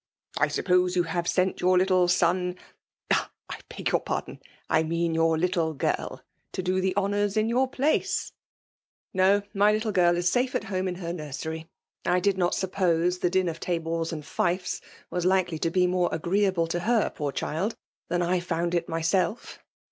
'* I suppose you have sent your little son — I beg your pardon — I mean your little girl, to do the honours in your place ?"" No ; my little girl is safe at home in &er nursery. I did not suppose the din of tabors and fifes was likely to be more agreeable to her, poor child, than I found it myself."